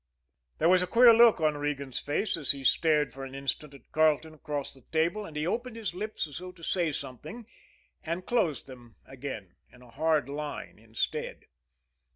There was a queer look on Regan's face as he stared for an instant at Carleton across the table, and he opened his lips as though to say something and closed them again in a hard line instead.